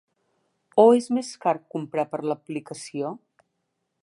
O és més car comprar per l'aplicació?